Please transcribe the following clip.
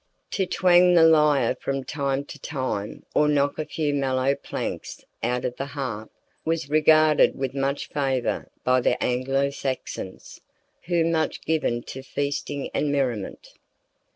To twang the lyre from time to time, or knock a few mellow plunks out of the harp, was regarded with much favor by the Anglo Saxons, who were much given to feasting and merriment.